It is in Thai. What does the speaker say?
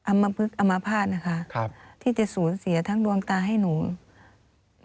อำมะพลึกอำมะพลาดนะคะที่จะสูญเสียทั้งดวงตาให้หนูครับ